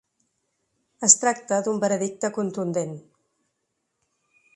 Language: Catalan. Es tracta d’un veredicte contundent.